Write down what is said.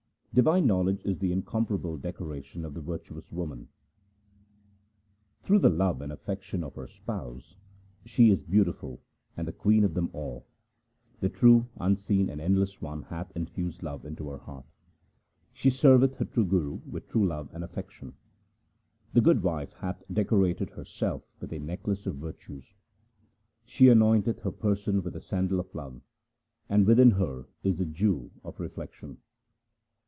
Divine knowledge is the incomparable decoration of the virtuous woman :— Through the love and affection of her Spouse she is beautiful and the queen of them all. HYMNS OF GURU AMAR DAS 195 The True, Unseen, and Endless One hath infused love into her heart ; She serveth her true Guru with true love and affection. The good wife hath decorated herself with a necklace of virtues. She anointeth her person with the sandal of love, and within her is the jewel of reflection.